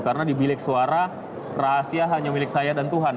karena di bilik suara rahasia hanya milik saya dan tuhan